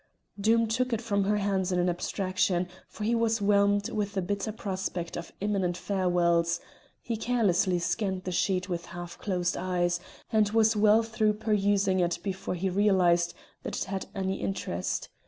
Doom took it from her hands in an abstraction, for he was whelmed with the bitter prospect of imminent farewells; he carelessly scanned the sheet with half closed eyes, and was well through perusing it before he realised that it had any interest.